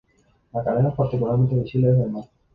La caldera es particularmente visible desde el mar.